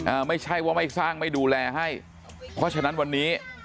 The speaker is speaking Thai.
ไม่ใช่ว่าไม่สร้างไม่ดูแลให้เพราะฉะนั้นวันนี้